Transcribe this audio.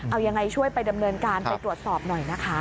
เอายังไงช่วยไปดำเนินการไปตรวจสอบหน่อยนะคะ